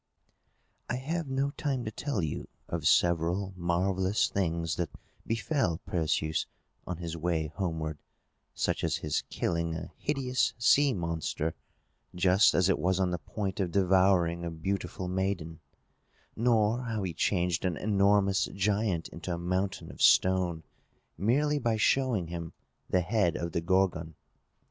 I have no time to tell you of several marvellous things that befell Perseus on his way homeward; such as his killing a hideous sea monster, just as it was on the point of devouring a beautiful maiden; nor how he changed an enormous giant into a mountain of stone, merely by showing him the head of the Gorgon.